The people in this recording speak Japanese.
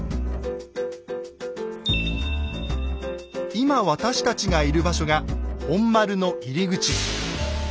今私たちがいる場所が本丸の入り口。